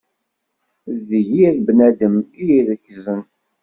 D yir bnadem i iṛekzen.